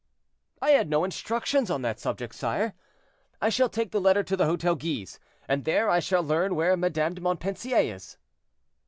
"I had no instructions on that subject, sire. I shall take the letter to the Hotel Guise, and there I shall learn where Madame de Montpensier is."